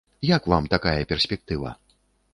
Як вам такая перспектыва?